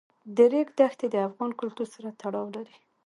د ریګ دښتې د افغان کلتور سره تړاو لري.